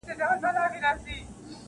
ټوله ته وای ټوله ته وای-